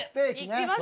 いきます？